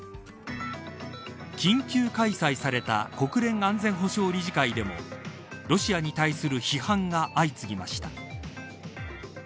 緊急開催された国連安全保障理事会でもロシアに対する批判が相次ぎました。